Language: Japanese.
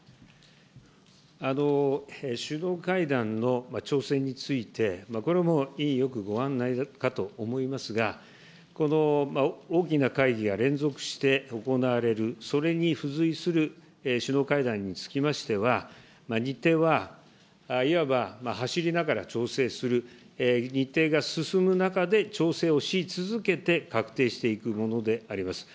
首脳会談の調整について、これもう委員よくご案内かと思いますが、この大きな会議が連続して行われる、それに付随する首脳会談につきましては、日程は、いわば走りながら調整する、日程が進む中で、調整をし続けて確定していくものであります。